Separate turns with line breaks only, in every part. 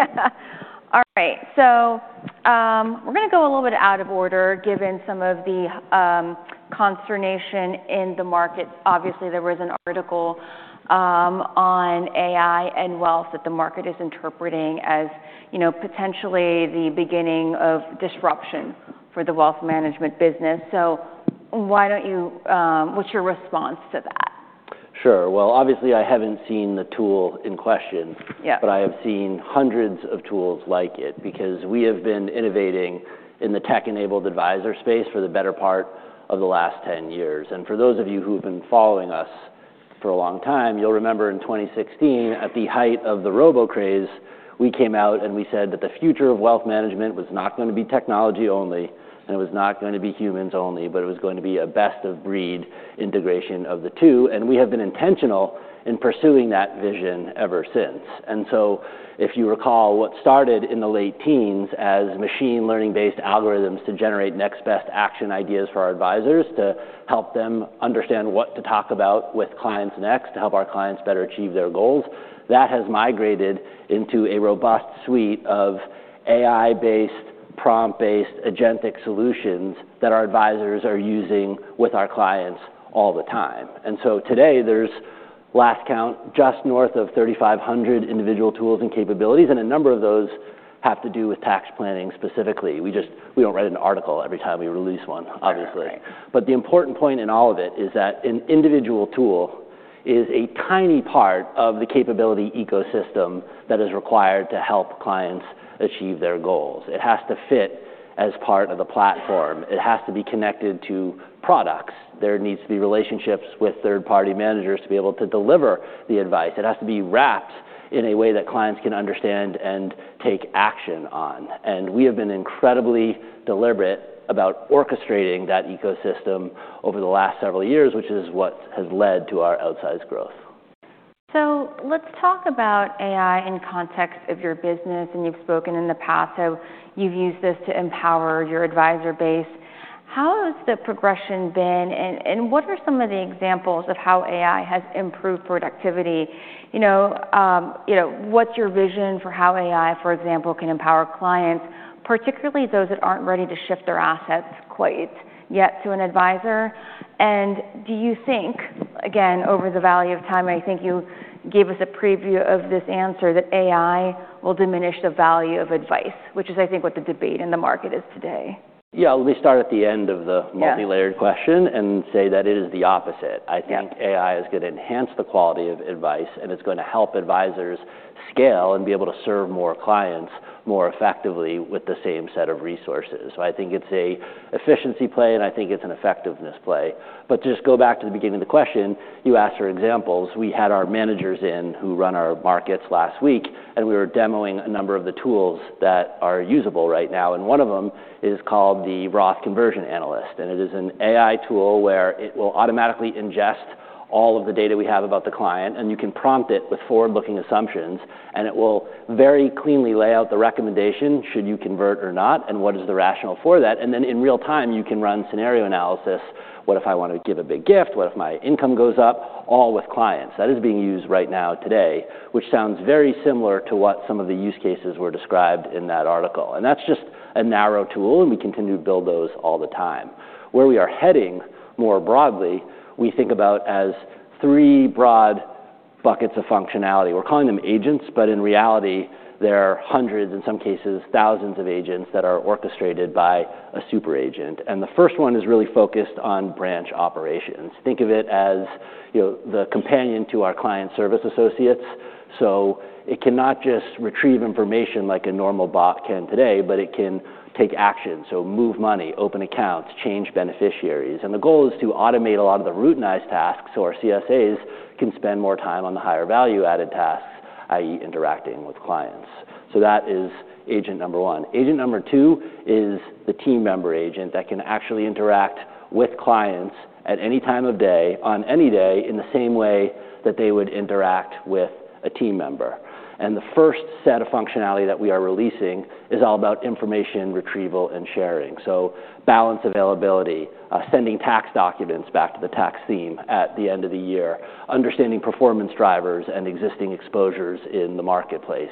Yeah. All right, so, we're gonna go a little bit out of order, given some of the consternation in the market. Obviously, there was an article on AI and wealth that the market is interpreting as, you know, potentially the beginning of disruption for the Wealth Management business. So why don't you... What's your response to that?
Sure. Well, obviously, I haven't seen the tool in question.
Yeah.
I have seen hundreds of tools like it, because we have been innovating in the tech-enabled advisor space for the better part of the last 10 years. For those of you who have been following us for a long time, you'll remember in 2016, at the height of the robo craze, we came out and we said that the future of wealth management was not gonna be technology only, and it was not gonna be humans only, but it was going to be a best-of-breed integration of the two. We have been intentional in pursuing that vision ever since. If you recall, what started in the late teens as machine learning-based algorithms to generate next best action ideas for our advisors, to help them understand what to talk about with clients next, to help our clients better achieve their goals, that has migrated into a robust suite of AI-based, prompt-based, agentic solutions that our advisors are using with our clients all the time. Today, at last count, just north of 3,500 individual tools and capabilities, and a number of those have to do with tax planning specifically. We just don't write an article every time we release one, obviously.
Right.
But the important point in all of it is that an individual tool is a tiny part of the capability ecosystem that is required to help clients achieve their goals. It has to fit as part of the platform. It has to be connected to products. There needs to be relationships with third-party managers to be able to deliver the advice. It has to be wrapped in a way that clients can understand and take action on. And we have been incredibly deliberate about orchestrating that ecosystem over the last several years, which is what has led to our outsized growth.
So let's talk about AI in context of your business, and you've spoken in the past, so you've used this to empower your advisor base. How has the progression been, and what are some of the examples of how AI has improved productivity? You know, you know, what's your vision for how AI, for example, can empower clients, particularly those that aren't ready to shift their assets quite yet to an advisor? And do you think, again, over the value of time, I think you gave us a preview of this answer, that AI will diminish the value of advice, which is, I think, what the debate in the market is today.
Yeah, let me start at the end of the-
Yeah.
...multilayered question and say that it is the opposite.
Yeah.
I think AI is going to enhance the quality of advice, and it's going to help advisors scale and be able to serve more clients more effectively with the same set of resources. I think it's an efficiency play, and I think it's an effectiveness play. But to just go back to the beginning of the question, you asked for examples. We had our managers in who run our markets last week, and we were demoing a number of the tools that are usable right now, and one of them is called the Roth Conversion Analyst. It is an AI tool where it will automatically ingest all of the data we have about the client, and you can prompt it with forward-looking assumptions, and it will very cleanly lay out the recommendation, should you convert or not, and what is the rationale for that. Then in real time, you can run scenario analysis. What if I want to give a big gift? What if my income goes up? All with clients. That is being used right now, today, which sounds very similar to what some of the use cases were described in that article. That's just a narrow tool, and we continue to build those all the time. Where we are heading, more broadly, we think about as three broad buckets of functionality. We're calling them agents, but in reality, there are hundreds, in some cases, thousands of agents that are orchestrated by a super agent, and the first one is really focused on branch operations. Think of it as, you know, the companion to our client service associates. So it cannot just retrieve information like a normal bot can today, but it can take action. So move money, open accounts, change beneficiaries. And the goal is to automate a lot of the routinized tasks so our CSAs can spend more time on the higher value-added tasks, i.e., interacting with clients. So that is agent number one. Agent number two is the team member agent that can actually interact with clients at any time of day, on any day, in the same way that they would interact with a team member. And the first set of functionality that we are releasing is all about information retrieval and sharing. So balance availability, sending tax documents back to the tax team at the end of the year, understanding performance drivers and existing exposures in the marketplace.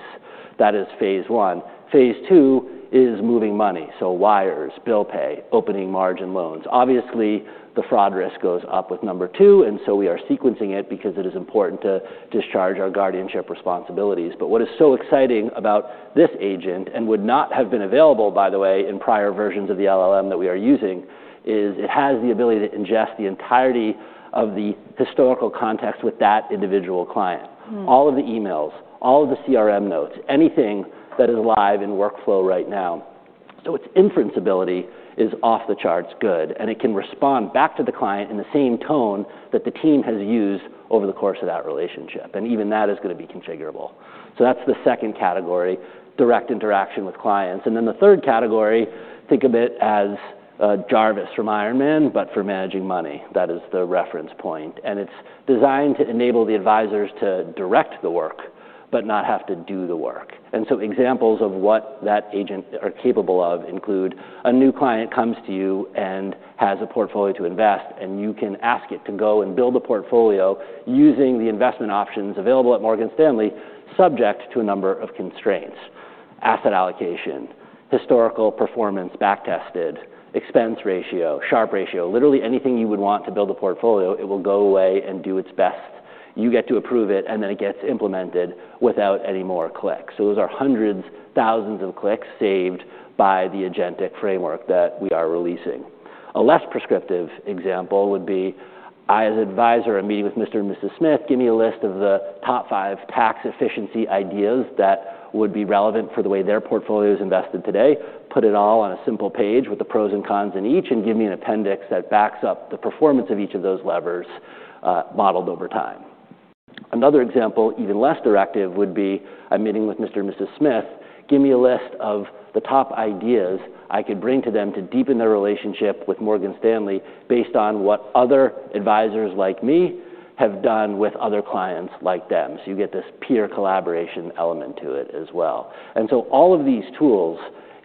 That is phase I. Phase II is moving money, so wires, bill pay, opening margin loans. Obviously, the fraud risk goes up with number two, and so we are sequencing it because it is important to discharge our guardianship responsibilities. But what is so exciting about this agent, and would not have been available, by the way, in prior versions of the LLM that we are using, is it has the ability to ingest the entirety of the historical context with that individual client.
Mm.
All of the emails, all of the CRM notes, anything that is live in workflow right now. So its inference ability is off the charts good, and it can respond back to the client in the same tone that the team has used over the course of that relationship, and even that is gonna be configurable. So that's the second category, direct interaction with clients. And then the third category, think of it as Jarvis from Iron Man, but for managing money. That is the reference point, and it's designed to enable the advisors to direct the work but not have to do the work. Examples of what that agent are capable of include a new client comes to you and has a portfolio to invest, and you can ask it to go and build a portfolio using the investment options available at Morgan Stanley, subject to a number of constraints: asset allocation, historical performance, back-tested, expense ratio, Sharpe ratio, literally anything you would want to build a portfolio; it will go away and do its best. You get to approve it, and then it gets implemented without any more clicks. So those are hundreds, thousands of clicks saved by the agentic framework that we are releasing. A less prescriptive example would be, I, as an advisor, am meeting with Mr. and Mrs. Smith; give me a list of the top five tax efficiency ideas that would be relevant for the way their portfolio is invested today. Put it all on a simple page with the pros and cons in each, and give me an appendix that backs up the performance of each of those levers, modeled over time. Another example, even less directive, would be I'm meeting with Mr. and Mrs. Smith, give me a list of the top ideas I could bring to them to deepen their relationship with Morgan Stanley, based on what other advisors like me have done with other clients like them. So you get this peer collaboration element to it as well. And so all of these tools,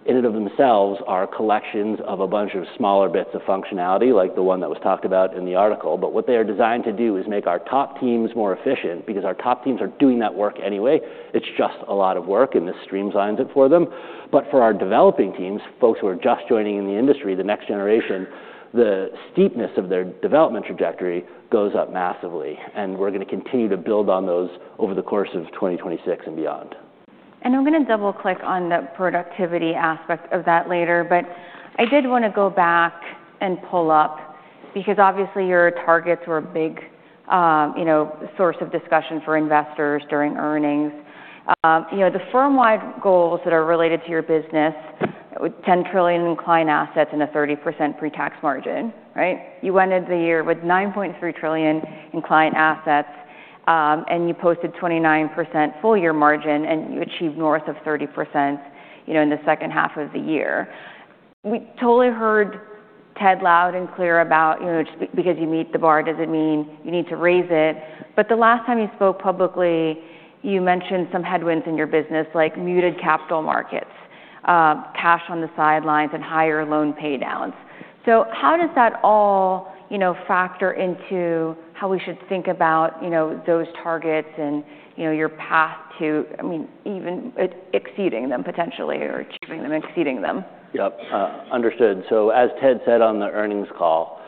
in and of themselves, are collections of a bunch of smaller bits of functionality, like the one that was talked about in the article. But what they are designed to do is make our top teams more efficient, because our top teams are doing that work anyway. It's just a lot of work, and this streamlines it for them. But for our developing teams, folks who are just joining in the industry, the next generation, the steepness of their development trajectory goes up massively, and we're going to continue to build on those over the course of 2026 and beyond.
I'm going to double-click on the productivity aspect of that later, but I did want to go back and pull up, because obviously, your targets were a big, you know, source of discussion for investors during earnings. You know, the firm-wide goals that are related to your business, with $10 trillion in client assets and a 30% pre-tax margin, right? You went into the year with $9.3 trillion in client assets, and you posted 29% full-year margin, and you achieved north of 30%, you know, in the second half of the year. We totally heard Ted loud and clear about, you know, just because you meet the bar doesn't mean you need to raise it. The last time you spoke publicly, you mentioned some headwinds in your business, like muted capital markets, cash on the sidelines, and higher loan paydowns. How does that all, you know, factor into how we should think about, you know, those targets and, you know, your path to, I mean, even exceeding them potentially or achieving them, exceeding them?
Yep, understood. So as Ted said on the earnings call,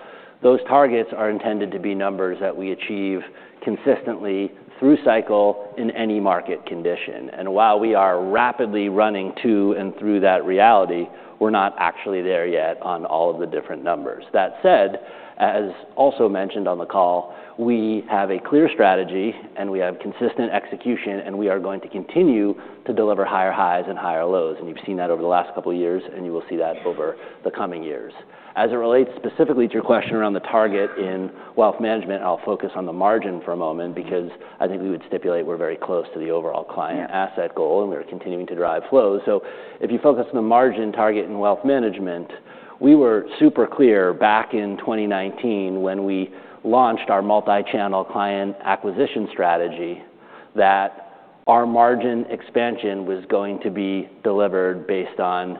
those targets are intended to be numbers that we achieve consistently through cycle in any market condition. And while we are rapidly running to and through that reality, we're not actually there yet on all of the different numbers. That said, as also mentioned on the call, we have a clear strategy and we have consistent execution, and we are going to continue to deliver higher highs and higher lows. And you've seen that over the last couple of years, and you will see that over the coming years. As it relates specifically to your question around the target in Wealth Management, I'll focus on the margin for a moment because I think we would stipulate we're very close to the overall client asset goal, and we're continuing to drive flow. So if you focus on the margin target in Wealth Management, we were super clear back in 2019 when we launched our multi-channel client acquisition strategy, that our margin expansion was going to be delivered based on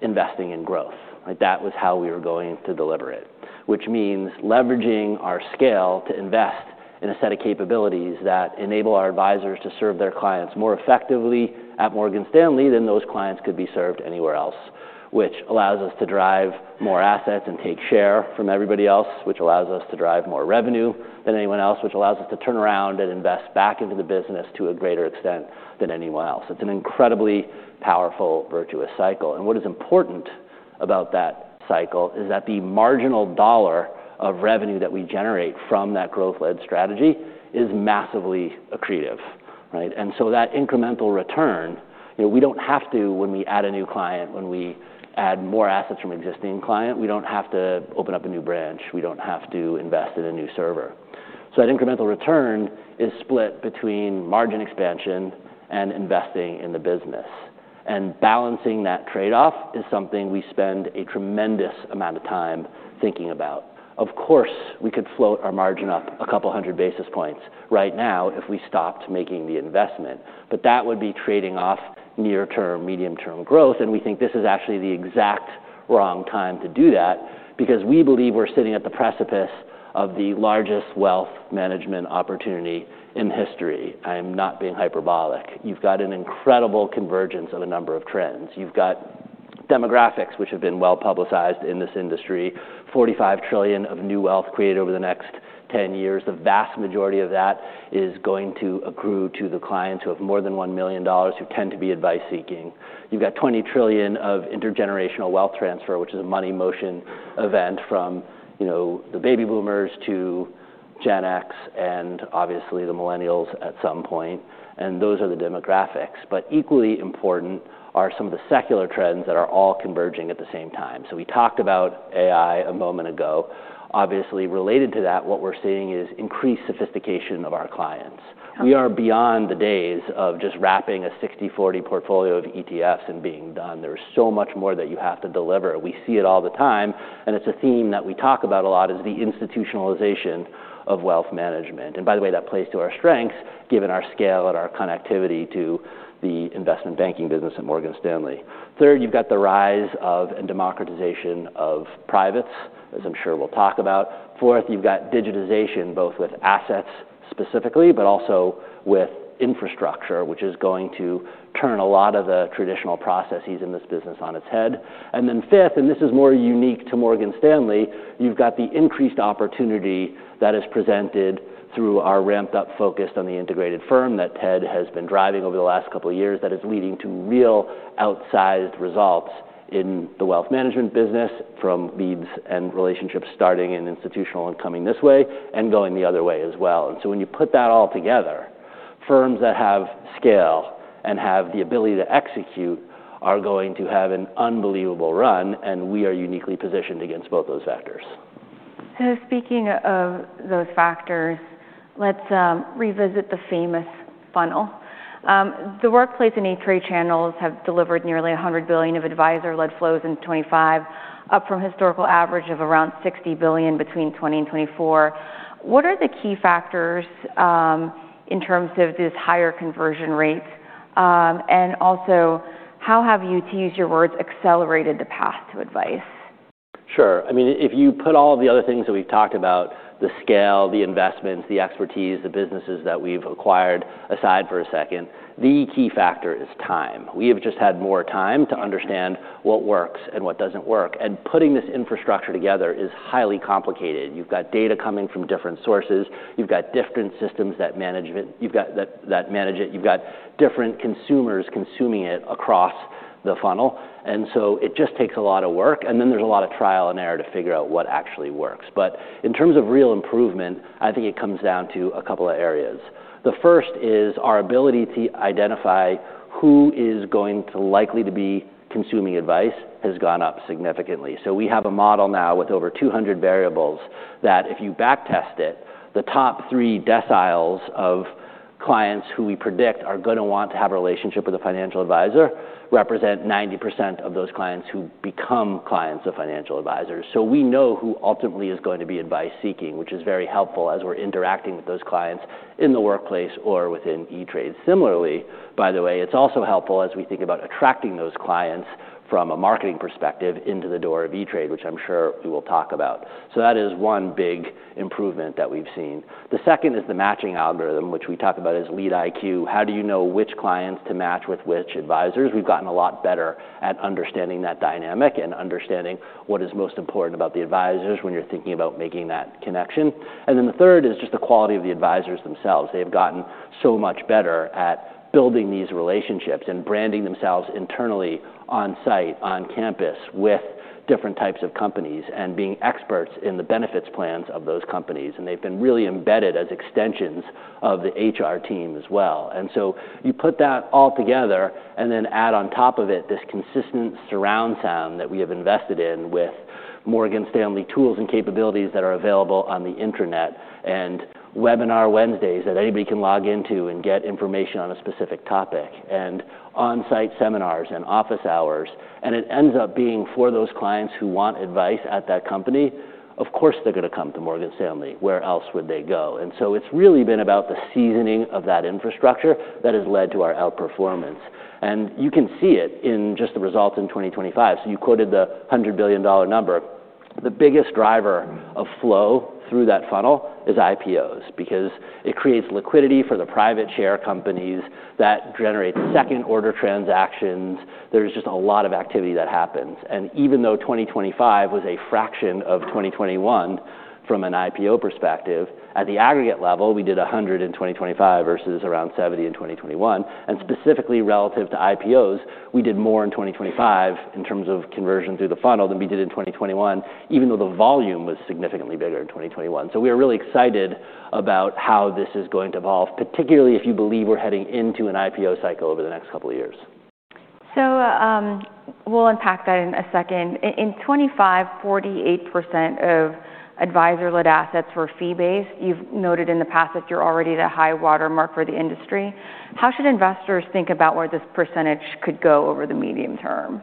investing in growth. Like, that was how we were going to deliver it. Which means leveraging our scale to invest in a set of capabilities that enable our advisors to serve their clients more effectively at Morgan Stanley than those clients could be served anywhere else. Which allows us to drive more assets and take share from everybody else, which allows us to drive more revenue than anyone else, which allows us to turn around and invest back into the business to a greater extent than anyone else. It's an incredibly powerful, virtuous cycle, and what is important about that cycle is that the marginal dollar of revenue that we generate from that growth-led strategy is massively accretive, right? And so that incremental return, you know, we don't have to, when we add a new client, when we add more assets from existing client, we don't have to open up a new branch. We don't have to invest in a new server. So that incremental return is split between margin expansion and investing in the business. And balancing that trade-off is something we spend a tremendous amount of time thinking about. Of course, we could float our margin up a couple hundred basis points right now if we stopped making the investment. But that would be trading off near-term, medium-term growth, and we think this is actually the exact wrong time to do that because we believe we're sitting at the precipice of the largest wealth management opportunity in history. I'm not being hyperbolic. You've got an incredible convergence of a number of trends. You've got demographics, which have been well-publicized in this industry. $45 trillion of new wealth created over the next 10 years. The vast majority of that is going to accrue to the clients who have more than $1 million, who tend to be advice-seeking. You've got $20 trillion of intergenerational wealth transfer, which is a money motion event from, you know, the baby boomers to Gen X and obviously the millennials at some point, and those are the demographics. But equally important are some of the secular trends that are all converging at the same time. So we talked about AI a moment ago. Obviously, related to that, what we're seeing is increased sophistication of our clients... We are beyond the days of just wrapping a 60/40 portfolio of ETFs and being done. There is so much more that you have to deliver. We see it all the time, and it's a theme that we talk about a lot, is the institutionalization of Wealth Management. And by the way, that plays to our strengths, given our scale and our connectivity to the Investment Banking business at Morgan Stanley. Third, you've got the rise of and democratization of privates, as I'm sure we'll talk about. Fourth, you've got digitization, both with assets specifically, but also with infrastructure, which is going to turn a lot of the traditional processes in this business on its head. And then fifth, and this is more unique to Morgan Stanley, you've got the increased opportunity that is presented through our ramped-up focus on the integrated firm that Ted has been driving over the last couple of years that is leading to real outsized results in the Wealth Management business, from leads and relationships starting in institutional and coming this way, and going the other way as well. And so when you put that all together, firms that have scale and have the ability to execute are going to have an unbelievable run, and we are uniquely positioned against both those factors.
So speaking of those factors, let's revisit the famous funnel. The workplace and E*TRADE channels have delivered nearly $100 billion of advisor-led flows in 2025, up from a historical average of around $60 billion between 2020 and 2024. What are the key factors in terms of these higher conversion rates? And also, how have you, to use your words, accelerated the path to advice?
Sure. I mean, if you put all the other things that we've talked about, the scale, the investments, the expertise, the businesses that we've acquired, aside for a second, the key factor is time. We have just had more time to understand what works and what doesn't work, and putting this infrastructure together is highly complicated. You've got data coming from different sources. You've got different systems that manage it. You've got different consumers consuming it across the funnel, and so it just takes a lot of work, and then there's a lot of trial and error to figure out what actually works. But in terms of real improvement, I think it comes down to a couple of areas. The first is our ability to identify who is going to likely to be consuming advice has gone up significantly. So we have a model now with over 200 variables that, if you backtest it, the top three deciles of clients who we predict are going to want to have a relationship with a financial advisor, represent 90% of those clients who become clients of financial advisors. So we know who ultimately is going to be advice-seeking, which is very helpful as we're interacting with those clients in the workplace or within E*TRADE. Similarly, by the way, it's also helpful as we think about attracting those clients from a marketing perspective into the door of E*TRADE, which I'm sure we will talk about. So that is one big improvement that we've seen. The second is the matching algorithm, which we talk about as LeadIQ. How do you know which clients to match with which advisors? We've gotten a lot better at understanding that dynamic and understanding what is most important about the advisors when you're thinking about making that connection. And then the third is just the quality of the advisors themselves. They've gotten so much better at building these relationships and branding themselves internally on-site, on campus with different types of companies and being experts in the benefits plans of those companies. And they've been really embedded as extensions of the HR team as well. And so you put that all together and then add on top of it this consistent surround sound that we have invested in with Morgan Stanley tools and capabilities that are available on the internet, and Webinar Wednesdays that anybody can log into and get information on a specific topic, and on-site seminars and office hours. It ends up being for those clients who want advice at that company, of course, they're going to come to Morgan Stanley. Where else would they go? So it's really been about the seasoning of that infrastructure that has led to our outperformance. You can see it in just the results in 2025. So you quoted the $100 billion number. The biggest driver of flow through that funnel is IPOs, because it creates liquidity for the private share companies. That generates second-order transactions. There's just a lot of activity that happens. Even though 2025 was a fraction of 2021 from an IPO perspective, at the aggregate level, we did 100 in 2025 versus around 70 in 2021. Specifically relative to IPOs, we did more in 2025 in terms of conversion through the funnel than we did in 2021, even though the volume was significantly bigger in 2021. So we are really excited about how this is going to evolve, particularly if you believe we're heading into an IPO cycle over the next couple of years.
We'll unpack that in a second. In 2025, 48% of advisor-led assets were fee-based. You've noted in the past that you're already the high-water mark for the industry. How should investors think about where this percentage could go over the medium term?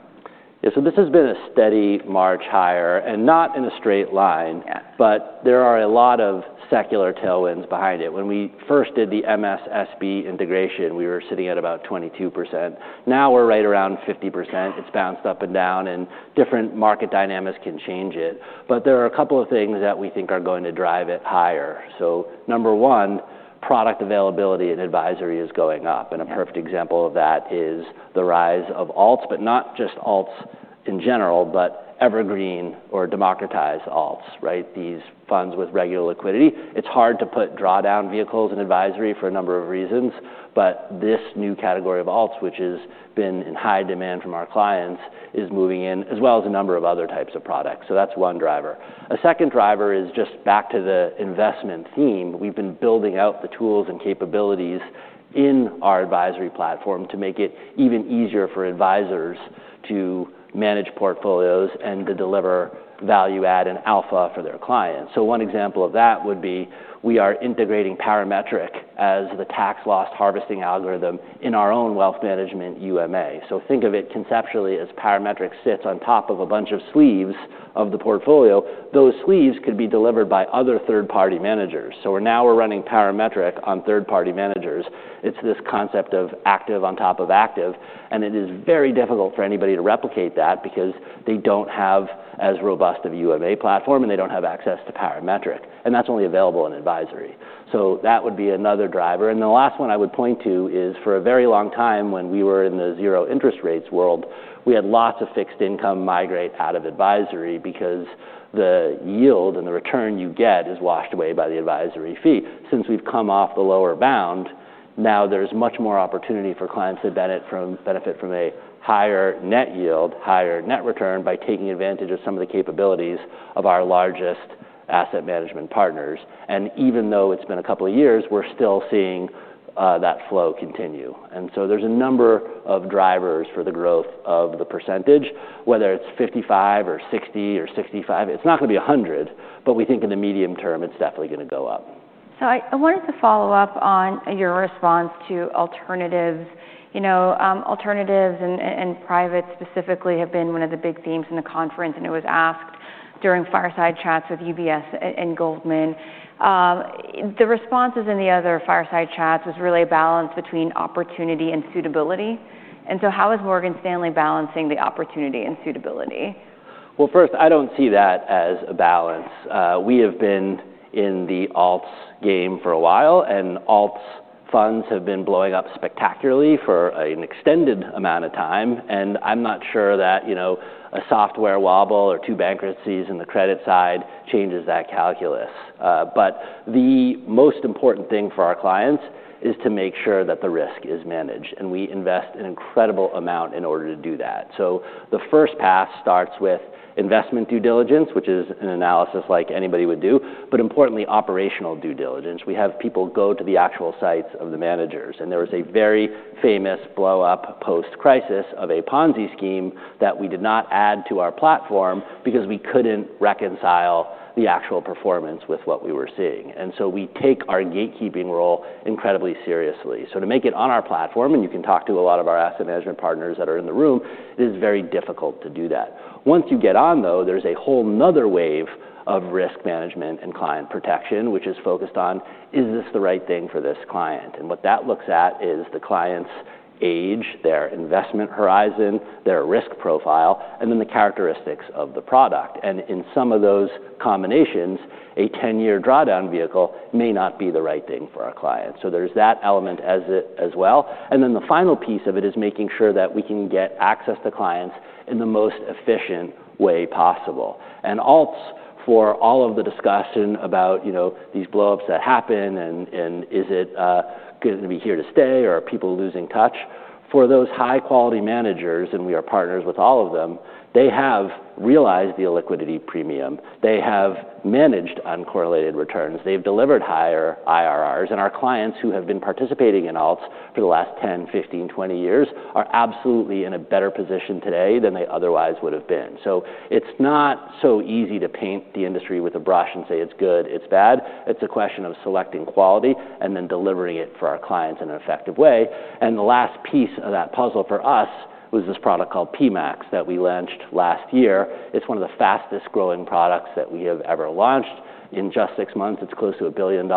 Yeah, so this has been a steady march higher, and not in a straight line-
Yeah....
but there are a lot of secular tailwinds behind it. When we first did the MSSB integration, we were sitting at about 22%. Now we're right around 50%. It's bounced up and down, and different market dynamics can change it, but there are a couple of things that we think are going to drive it higher. So number one, product availability and advisory is going up, and a perfect example of that is the rise of alts, but not just alts in general, but evergreen or democratized alts, right? These funds with regular liquidity. It's hard to put drawdown vehicles in advisory for a number of reasons, but this new category of alts, which has been in high demand from our clients, is moving in, as well as a number of other types of products. So that's one driver. A second driver is just back to the investment theme. We've been building out the tools and capabilities in our advisory platform to make it even easier for advisors to manage portfolios and to deliver value add and alpha for their clients. So one example of that would be we are integrating Parametric as the tax loss harvesting algorithm in our own Wealth Management UMA. So think of it conceptually as Parametric sits on top of a bunch of sleeves of the portfolio. Those sleeves could be delivered by other third-party managers. So we're now running Parametric on third-party managers. It's this concept of active on top of active, and it is very difficult for anybody to replicate that because they don't have as robust of a UMA platform, and they don't have access to Parametric, and that's only available in advisory. So that would be another driver. And the last one I would point to is, for a very long time, when we were in the zero interest rates world, we had lots of fixed income migrate out of advisory because the yield and the return you get is washed away by the advisory fee. Since we've come off the lower bound, now there's much more opportunity for clients to benefit from, benefit from a higher net yield, higher net return, by taking advantage of some of the capabilities of our largest asset management partners. And even though it's been a couple of years, we're still seeing that flow continue. And so there's a number of drivers for the growth of the percentage, whether it's 55 or 60 or 65. It's not gonna be a 100, but we think in the medium term it's definitely gonna go up.
So I, I wanted to follow up on your response to alternatives. You know, alternatives and private specifically have been one of the big themes in the conference, and it was asked during fireside chats with UBS and Goldman. The responses in the other fireside chats was really a balance between opportunity and suitability. And so how is Morgan Stanley balancing the opportunity and suitability?
Well, first, I don't see that as a balance. We have been in the alts game for a while, and alts funds have been blowing up spectacularly for an extended amount of time, and I'm not sure that, you know, a software wobble or two bankruptcies in the credit side changes that calculus. But the most important thing for our clients is to make sure that the risk is managed, and we invest an incredible amount in order to do that. So the first pass starts with investment due diligence, which is an analysis like anybody would do, but importantly, operational due diligence. We have people go to the actual sites of the managers, and there was a very famous blow-up post-crisis of a Ponzi scheme that we did not add to our platform because we couldn't reconcile the actual performance with what we were seeing. We take our gatekeeping role incredibly seriously. To make it on our platform, and you can talk to a lot of our asset management partners that are in the room, it is very difficult to do that. Once you get on, though, there's a whole another wave of risk management and client protection, which is focused on, is this the right thing for this client? What that looks at is the client's age, their investment horizon, their risk profile, and then the characteristics of the product. In some of those combinations, a 10-year drawdown vehicle may not be the right thing for our clients. There's that element as well. The final piece of it is making sure that we can get access to clients in the most efficient way possible. And alts, for all of the discussion about, you know, these blow-ups that happen and is it going to be here to stay, or are people losing touch? For those high-quality managers, and we are partners with all of them, they have realized the illiquidity premium. They have managed uncorrelated returns. They've delivered higher IRRs, and our clients who have been participating in alts for the last 10, 15, 20 years are absolutely in a better position today than they otherwise would have been. So it's not so easy to paint the industry with a brush and say it's good, it's bad. It's a question of selecting quality and then delivering it for our clients in an effective way. And the last piece of that puzzle for us was this product called PMA that we launched last year. It's one of the fastest-growing products that we have ever launched. In just six months, it's close to $1 billion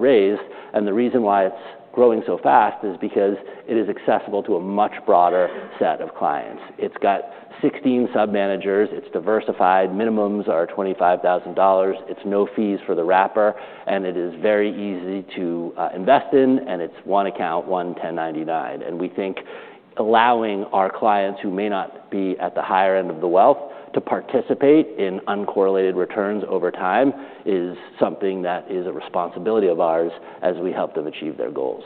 raised, and the reason why it's growing so fast is because it is accessible to a much broader set of clients. It's got 16 sub-managers. It's diversified. Minimums are $25,000. It's no fees for the wrapper, and it is very easy to invest in, and it's one account, one 1099. And we think allowing our clients who may not be at the higher end of the wealth to participate in uncorrelated returns over time is something that is a responsibility of ours as we help them achieve their goals.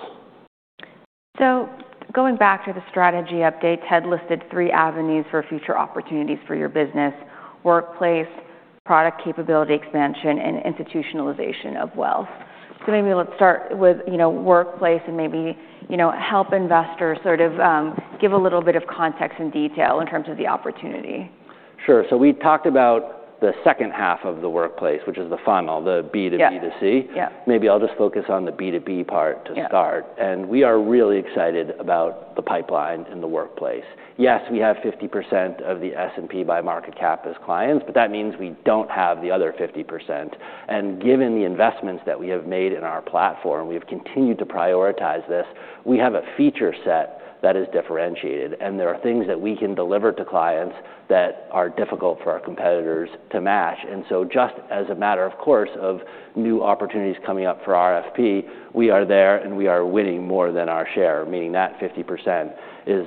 Going back to the strategy update, Ted listed three avenues for future opportunities for your business: workplace, product capability expansion, and institutionalization of wealth. So maybe let's start with, you know, workplace and maybe, you know, help investors sort of give a little bit of context and detail in terms of the opportunity.
Sure. So we talked about the second half of the workplace, which is the funnel, the B2B2C.
Yeah.
Maybe I'll just focus on the B2B part to start.
Yeah.
We are really excited about the pipeline in the workplace. Yes, we have 50% of the S&P by market cap as clients, but that means we don't have the other 50%. Given the investments that we have made in our platform, we have continued to prioritize this. We have a feature set that is differentiated, and there are things that we can deliver to clients that are difficult for our competitors to match. So just as a matter of course, of new opportunities coming up for RFP, we are there, and we are winning more than our share, meaning that 50% is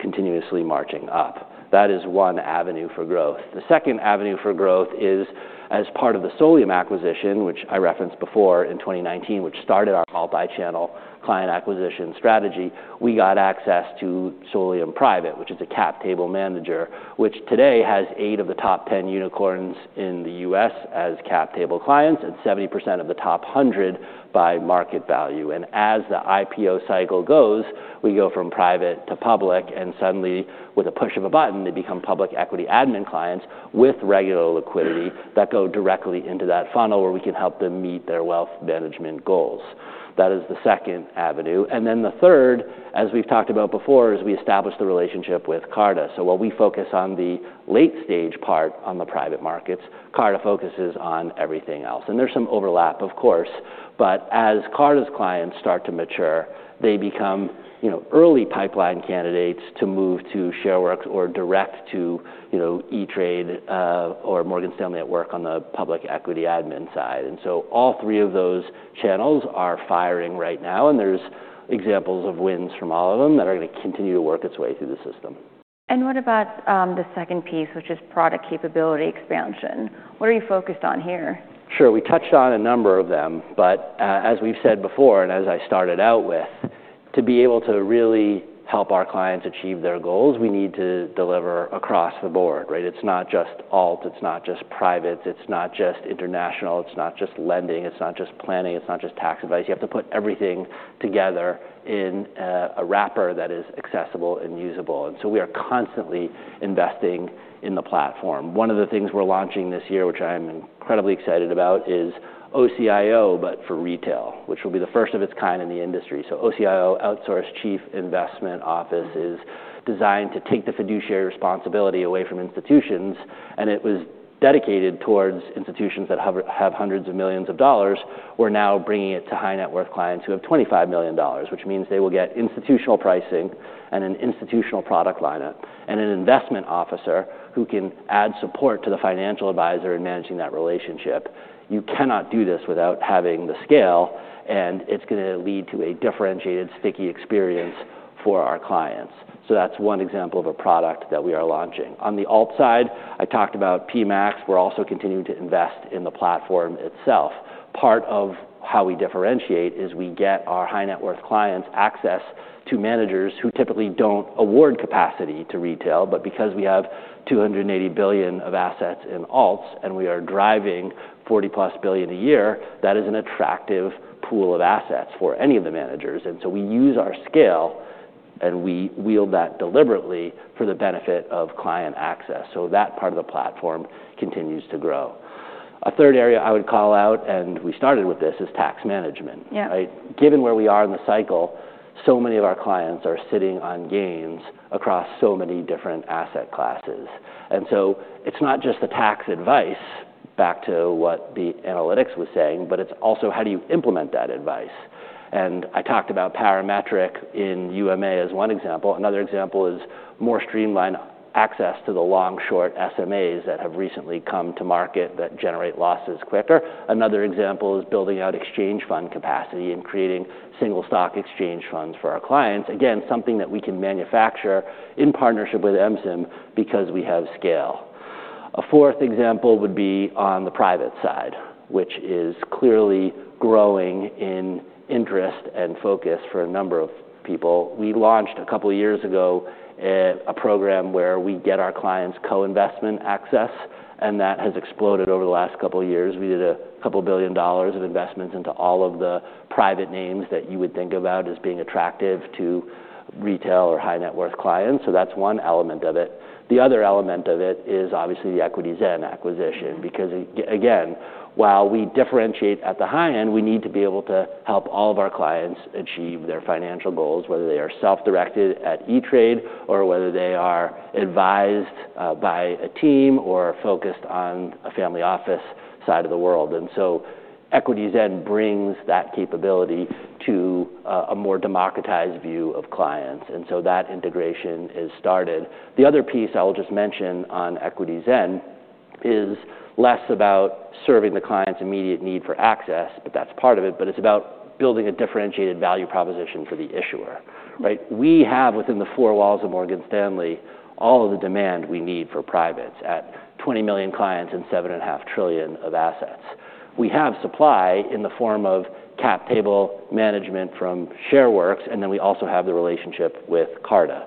continuously marching up. That is one avenue for growth. The second avenue for growth is, as part of the Solium acquisition, which I referenced before, in 2019, which started our multi-channel client acquisition strategy, we got access to Solium Private, which is a cap table manager, which today has 8 of the top 10 unicorns in the U.S. as cap table clients and 70% of the top 100 by market value. And as the IPO cycle goes, we go from private to public, and suddenly, with a push of a button, they become public equity admin clients with regular liquidity that go directly into that funnel, where we can help them meet their wealth management goals. That is the second avenue, and then the third, as we've talked about before, is we established the relationship with Carta. So while we focus on the late-stage part on the private markets, Carta focuses on everything else. There's some overlap, of course, but as Carta's clients start to mature, they become, you know, early pipeline candidates to move to Shareworks or direct to, you know, E*TRADE, or Morgan Stanley at Work on the public equity admin side. And so all three of those channels are firing right now, and there's examples of wins from all of them that are gonna continue to work its way through the system.
What about the second piece, which is product capability expansion? What are you focused on here?
Sure. We touched on a number of them, but as we've said before, and as I started out with, to be able to really help our clients achieve their goals, we need to deliver across the board, right? It's not just alt, it's not just privates, it's not just international, it's not just lending, it's not just planning, it's not just tax advice. You have to put everything together in a wrapper that is accessible and usable, and so we are constantly investing in the platform. One of the things we're launching this year, which I'm incredibly excited about, is OCIO, but for retail, which will be the first of its kind in the industry. So OCIO, Outsourced Chief Investment Office, is designed to take the fiduciary responsibility away from institutions, and it was dedicated towards institutions that have hundreds of millions of dollars. We're now bringing it to high-net-worth clients who have $25 million, which means they will get institutional pricing and an institutional product lineup, and an investment officer who can add support to the financial advisor in managing that relationship. You cannot do this without having the scale, and it's gonna lead to a differentiated, sticky experience for our clients. So that's one example of a product that we are launching. On the alts side, I talked about PMax. We're also continuing to invest in the platform itself. Part of how we differentiate is we get our high-net-worth clients access to managers who typically don't award capacity to retail, but because we have $280 billion of assets in alts, and we are driving $40+ billion a year, that is an attractive pool of assets for any of the managers. We use our scale, and we wield that deliberately for the benefit of client access, so that part of the platform continues to grow. A third area I would call out, and we started with this, is tax management.
Yeah.
Right? Given where we are in the cycle, so many of our clients are sitting on gains across so many different asset classes. And so it's not just the tax advice, back to what the analytics was saying, but it's also how do you implement that advice? And I talked about Parametric in UMA as one example. Another example is more streamlined access to the long-short SMAs that have recently come to market that generate losses quicker. Another example is building out exchange fund capacity and creating single stock exchange funds for our clients. Again, something that we can manufacture in partnership with MSIM because we have scale. A fourth example would be on the private side, which is clearly growing in interest and focus for a number of people. We launched a couple of years ago a program where we get our clients co-investment access, and that has exploded over the last couple of years. We did $2 billion of investments into all of the private names that you would think about as being attractive to retail or high-net-worth clients, so that's one element of it. The other element of it is obviously the EquityZen acquisition, because again, while we differentiate at the high end, we need to be able to help all of our clients achieve their financial goals, whether they are self-directed at E*TRADE or whether they are advised by a team or focused on a family office side of the world. And so EquityZen brings that capability to a more democratized view of clients, and so that integration is started. The other piece I will just mention on EquityZen is less about serving the client's immediate need for access, but that's part of it, but it's about building a differentiated value proposition for the issuer, right? We have, within the four walls of Morgan Stanley, all of the demand we need for privates at 20 million clients and $7.5 trillion of assets. We have supply in the form of cap table management from Shareworks, and then we also have the relationship with Carta.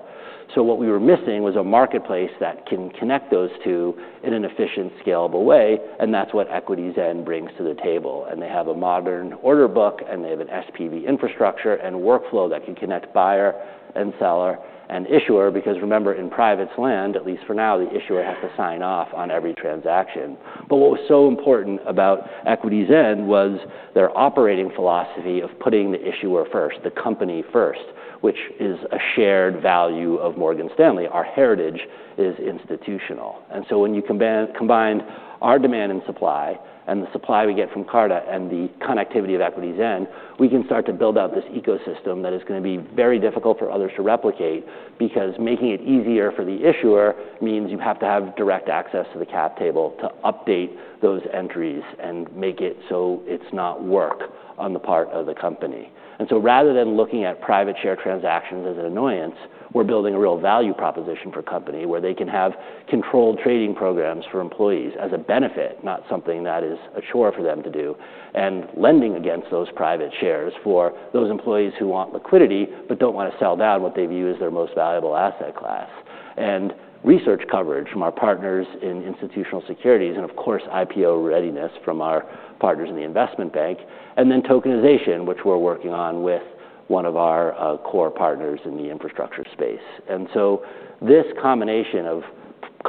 So what we were missing was a marketplace that can connect those two in an efficient, scalable way, and that's what EquityZen brings to the table, and they have a modern order book, and they have an SPV infrastructure and workflow that can connect buyer and seller and issuer, because remember, in privates land, at least for now, the issuer has to sign off on every transaction. But what was so important about EquityZen was their operating philosophy of putting the issuer first, the company first, which is a shared value of Morgan Stanley. Our heritage is institutional. And so when you combine our demand and supply and the supply we get from Carta and the connectivity of EquityZen, we can start to build out this ecosystem that is gonna be very difficult for others to replicate because making it easier for the issuer means you have to have direct access to the cap table to update those entries and make it so it's not work on the part of the company. And so rather than looking at private share transactions as an annoyance, we're building a real value proposition for company, where they can have controlled trading programs for employees as a benefit, not something that is a chore for them to do. And lending against those private shares for those employees who want liquidity, but don't wanna sell down what they view as their most valuable asset class. And research coverage from our partners in Institutional Securities and, of course, IPO readiness from our partners in the Investment Bank, and then tokenization, which we're working on with one of our core partners in the infrastructure space. And so this combination of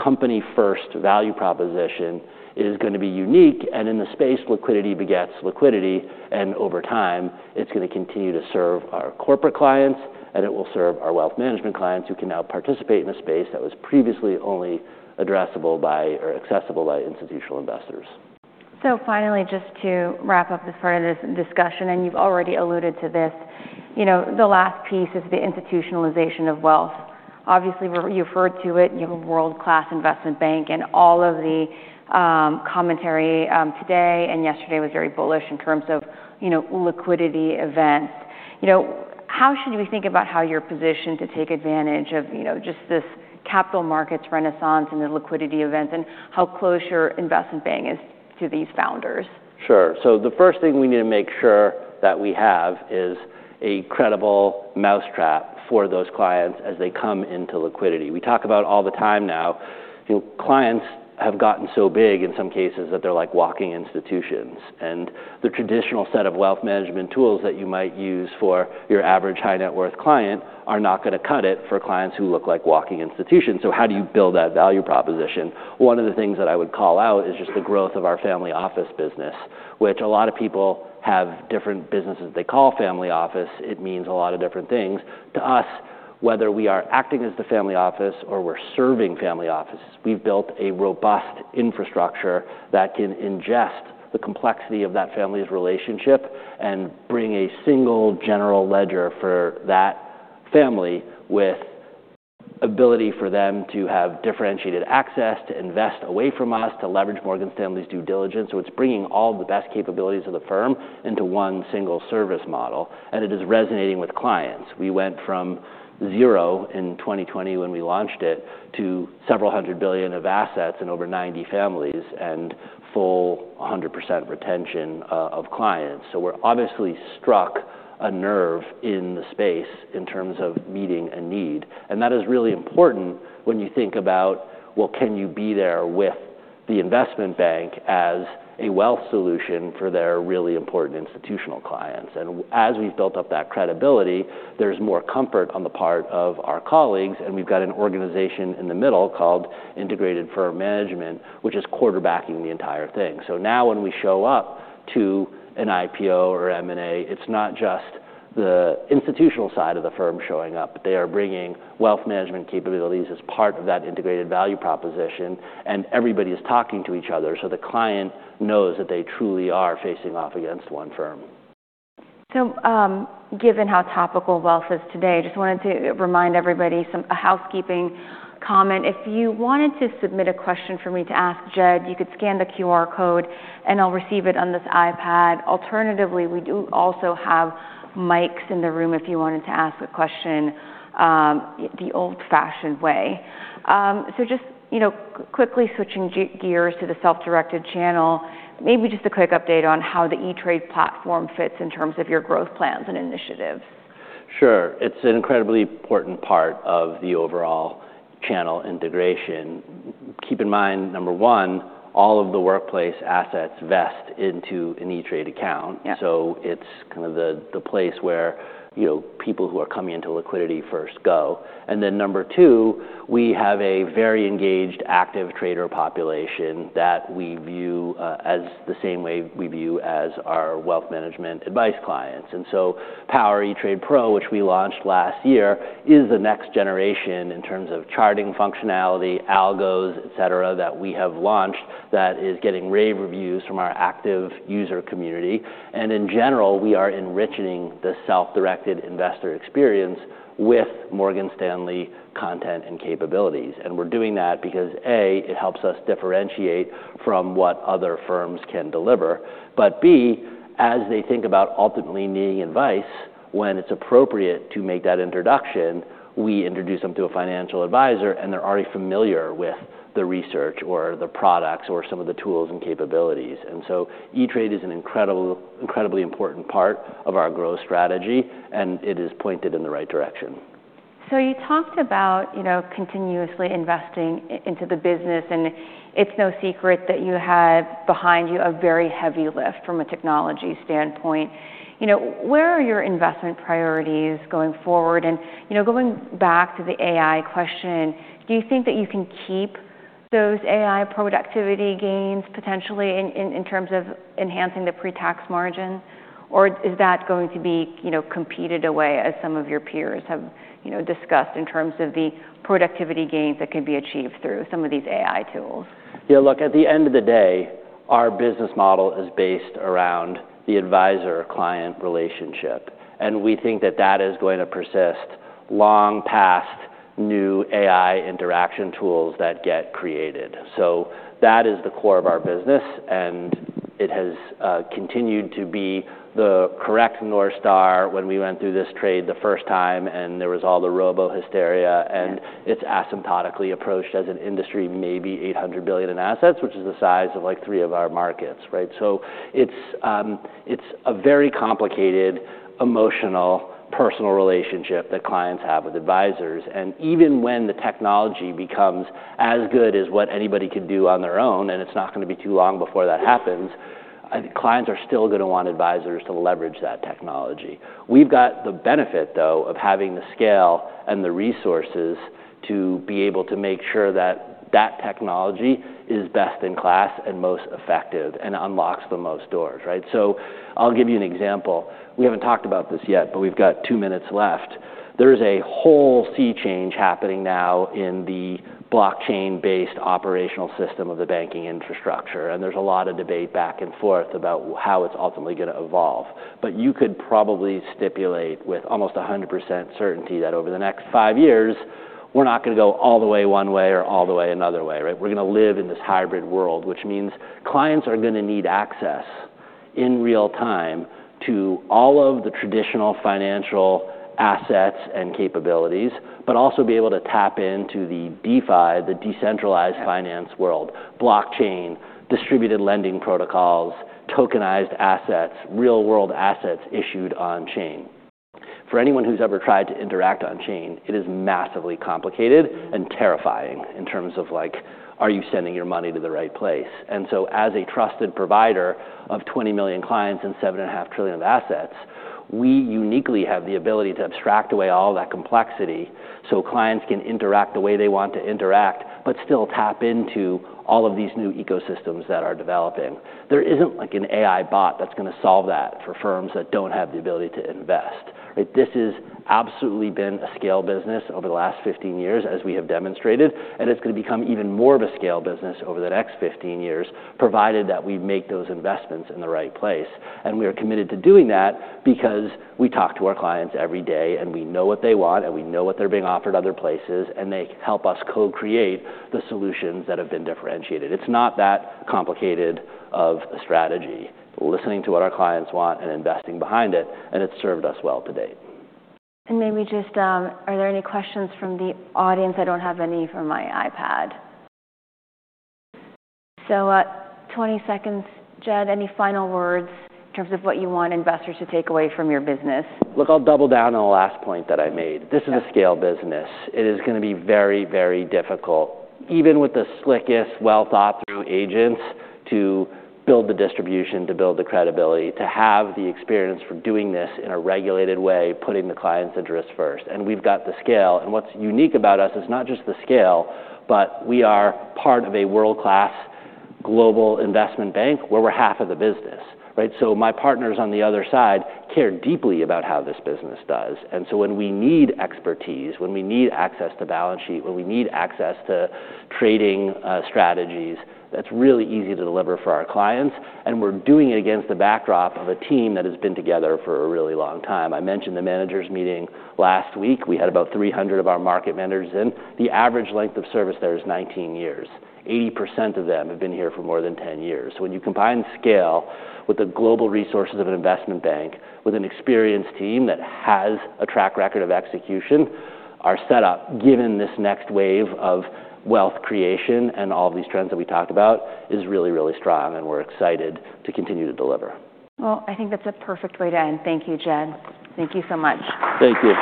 company first value proposition is going to be unique, and in the space, liquidity begets liquidity, and over time, it's going to continue to serve our corporate clients, and it will serve our Wealth Management clients, who can now participate in a space that was previously only addressable by or accessible by institutional investors.
So finally, just to wrap up this part of this discussion, and you've already alluded to this, you know, the last piece is the institutionalization of wealth. Obviously, you referred to it, you have a world-class investment bank, and all of the commentary today and yesterday was very bullish in terms of, you know, liquidity events. You know, how should we think about how you're positioned to take advantage of, you know, just this capital markets renaissance and the liquidity events, and how close your investment bank is to these founders?
Sure. So the first thing we need to make sure that we have is a credible mousetrap for those clients as they come into liquidity. We talk about all the time now, you know, clients have gotten so big in some cases that they're like walking institutions, and the traditional set of wealth management tools that you might use for your average high-net-worth client are not going to cut it for clients who look like walking institutions. So how do you build that value proposition? One of the things that I would call out is just the growth of our family office business, which a lot of people have different businesses they call family office. It means a lot of different things. To us, whether we are acting as the family office or we're serving family offices, we've built a robust infrastructure that can ingest the complexity of that family's relationship and bring a single general ledger for that family with ability for them to have differentiated access, to invest away from us, to leverage Morgan Stanley's due diligence. So it's bringing all the best capabilities of the firm into one single service model, and it is resonating with clients. We went from zero in 2020 when we launched it to several hundred billion of assets and over 90 families and full 100% retention of clients. So we're obviously struck a nerve in the space in terms of meeting a need, and that is really important when you think about, well, can you be there with the Investment Bank as a wealth solution for their really important institutional clients? And as we've built up that credibility, there's more comfort on the part of our colleagues, and we've got an organization in the middle called Integrated Firm Management, which is quarterbacking the entire thing. So now when we show up to an IPO or M&A, it's not just the institutional side of the firm showing up, but they are bringing Wealth Management capabilities as part of that integrated value proposition, and everybody's talking to each other, so the client knows that they truly are facing off against one firm.
So, given how topical wealth is today, just wanted to remind everybody a housekeeping comment. If you wanted to submit a question for me to ask Jed, you could scan the QR code, and I'll receive it on this iPad. Alternatively, we do also have mics in the room if you wanted to ask a question, the old-fashioned way. So just, you know, quickly switching gears to the self-directed channel, maybe just a quick update on how the E*TRADE platform fits in terms of your growth plans and initiatives.
Sure. It's an incredibly important part of the overall channel integration. Keep in mind, number one, all of the workplace assets vest into an E*TRADE account.
Yeah.
So it's kind of the place where, you know, people who are coming into liquidity first go. And then number two, we have a very engaged, active trader population that we view as the same way we view our Wealth Management advice clients. And so Power E*TRADE, which we launched last year, is the next generation in terms of charting functionality, algos, et cetera, that we have launched that is getting rave reviews from our active user community. And in general, we are enriching the self-directed investor experience with Morgan Stanley content and capabilities. We're doing that because, A, it helps us differentiate from what other firms can deliver, but, B, as they think about ultimately needing advice, when it's appropriate to make that introduction, we introduce them to a financial advisor, and they're already familiar with the research or the products or some of the tools and capabilities. And so E*TRADE is an incredible- incredibly important part of our growth strategy, and it is pointed in the right direction.
So you talked about, you know, continuously investing into the business, and it's no secret that you have behind you a very heavy lift from a technology standpoint. You know, where are your investment priorities going forward? And, you know, going back to the AI question, do you think that you can keep those AI productivity gains potentially in terms of enhancing the pre-tax margin, or is that going to be, you know, competed away, as some of your peers have, you know, discussed in terms of the productivity gains that can be achieved through some of these AI tools?
Yeah, look, at the end of the day, our business model is based around the advisor-client relationship, and we think that that is going to persist long past new AI interaction tools that get created. So that is the core of our business, and it has continued to be the correct North Star when we went through this trade the first time, and there was all the robo hysteria and it's asymptotically approached as an industry, maybe $800 billion in assets, which is the size of, like, three of our markets, right? So it's a very complicated, emotional, personal relationship that clients have with advisors, and even when the technology becomes as good as what anybody could do on their own, and it's not going to be too long before that happens. I think clients are still gonna want advisors to leverage that technology. We've got the benefit, though, of having the scale and the resources to be able to make sure that that technology is best in class and most effective, and unlocks the most doors, right? So I'll give you an example. We haven't talked about this yet, but we've got two minutes left. There is a whole sea change happening now in the blockchain-based operational system of the banking infrastructure, and there's a lot of debate back and forth about how it's ultimately gonna evolve. But you could probably stipulate with almost 100% certainty that over the next five years, we're not gonna go all the way one way or all the way another way, right? We're gonna live in this hybrid world, which means clients are gonna need access in real time to all of the traditional financial assets and capabilities, but also be able to tap into the DeFi, the decentralized finance world, blockchain, distributed lending protocols, tokenized assets, real-world assets issued on chain. For anyone who's ever tried to interact on chain, it is massively complicated. And terrifying in terms of, like, are you sending your money to the right place? And so as a trusted provider of 20 million clients and $7.5 trillion of assets, we uniquely have the ability to abstract away all that complexity, so clients can interact the way they want to interact, but still tap into all of these new ecosystems that are developing. There isn't, like, an AI bot that's gonna solve that for firms that don't have the ability to invest, right? This has absolutely been a scale business over the last 15 years, as we have demonstrated, and it's gonna become even more of a scale business over the next 15 years, provided that we make those investments in the right place. We are committed to doing that because we talk to our clients every day, and we know what they want, and we know what they're being offered other places, and they help us co-create the solutions that have been differentiated. It's not that complicated of a strategy. Listening to what our clients want and investing behind it, and it's served us well to date.
And maybe just. Are there any questions from the audience? I don't have any from my iPad. So, 20 seconds, Jed, any final words in terms of what you want investors to take away from your business?
Look, I'll double down on the last point that I made.
Yeah.
This is a scale business. It is gonna be very, very difficult, even with the slickest, well-thought-through agents, to build the distribution, to build the credibility, to have the experience from doing this in a regulated way, putting the client's interests first, and we've got the scale. And what's unique about us is not just the scale, but we are part of a world-class global investment bank where we're half of the business, right? So my partners on the other side care deeply about how this business does, and so when we need expertise, when we need access to balance sheet, when we need access to trading, strategies, that's really easy to deliver for our clients, and we're doing it against the backdrop of a team that has been together for a really long time. I mentioned the managers meeting last week. We had about 300 of our market managers in. The average length of service there is 19 years. 80% of them have been here for more than 10 years. So when you combine scale with the global resources of an investment bank, with an experienced team that has a track record of execution, our setup, given this next wave of wealth creation and all of these trends that we talked about, is really, really strong, and we're excited to continue to deliver.
Well, I think that's a perfect way to end. Thank you, Jed. Thank you so much.
Thank you.